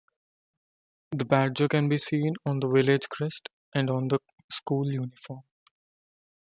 The badger can be seen on the village crest and on the school uniform.